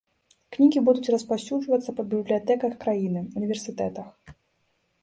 Кнігі будуць распаўсюджвацца па бібліятэках краіны, універсітэтах.